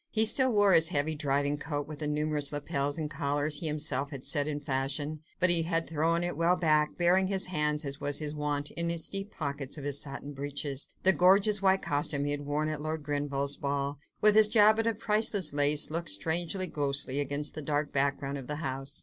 He still wore his heavy driving coat with the numerous lapels and collars he himself had set in fashion, but he had thrown it well back, burying his hands as was his wont, in the deep pockets of his satin breeches: the gorgeous white costume he had worn at Lord Grenville's ball, with its jabot of priceless lace, looked strangely ghostly against the dark background of the house.